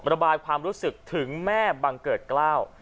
ระบายความรู้สึกถึงแม่บังเกิดเกล้า